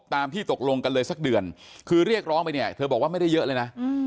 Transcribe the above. ตามที่ตกลงกันเลยสักเดือนคือเรียกร้องไปเนี่ยเธอบอกว่าไม่ได้เยอะเลยนะ